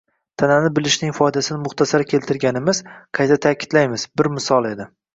Tanani bilishning foydasini muxtasar keltirganimiz, qayta ta’kidlaymiz, bir misol edi.